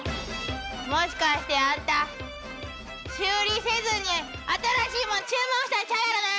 もしかしてあんた修理せずに新しいもん注文したんちゃうやろな！